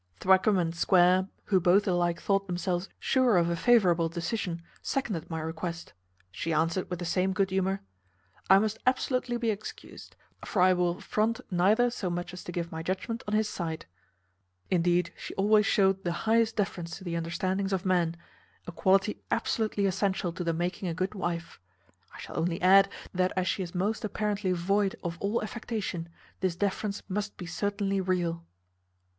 Thwackum and Square, who both alike thought themselves sure of a favourable decision, seconded my request. She answered with the same good humour, `I must absolutely be excused: for I will affront neither so much as to give my judgment on his side.' Indeed, she always shewed the highest deference to the understandings of men; a quality absolutely essential to the making a good wife. I shall only add, that as she is most apparently void of all affectation, this deference must be certainly real."